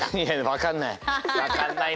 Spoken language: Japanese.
わかんないな。